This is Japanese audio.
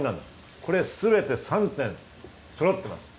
これが全て３点そろってます。